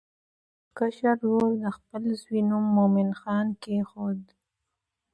کشر ورور د خپل زوی نوم مومن خان کېښود.